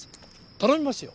頼みますよ。